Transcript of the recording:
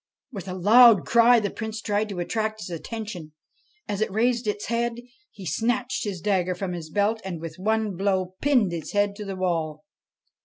With a loud cry the Prince tried to attract its attention ; then, as it raised its head, he snatched his dagger from his belt, and, with one blow, pinned its head to the wall.